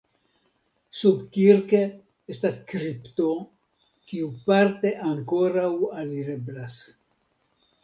Subkirke estas kripto kiu parte ankoraŭ alireblas.